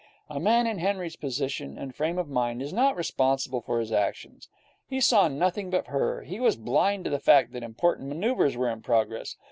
A man in Henry's position and frame of mind is not responsible for his actions. He saw nothing but her; he was blind to the fact that important manoeuvres were in progress.